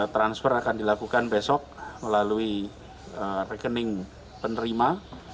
transfer akan dilakukan besok melalui rekening penerima